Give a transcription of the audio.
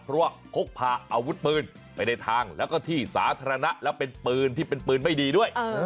เพราะว่าพกพาอาวุธปืนไปในทางแล้วก็ที่สาธารณะและเป็นปืนที่เป็นปืนไม่ดีด้วย